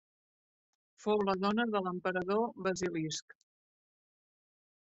Fou la dona de l'emperador Basilisc.